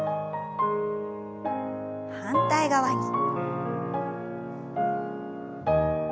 反対側に。